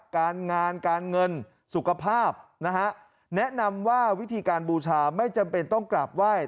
การงานการเงินสุขภาพนะฮะแนะนำว่าวิธีการบูชาไม่จำเป็นต้องกราบไหว้